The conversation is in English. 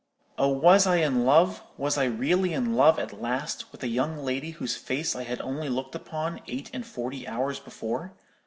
"Oh, was I in love, was I really in love at last, with a young lady whose face I had only looked upon eight and forty hours before?